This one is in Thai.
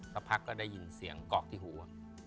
ตลอดพักก็ได้ยินเสียงกรอกที่หูอ่ะ